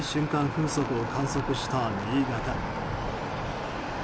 風速を観測した新潟。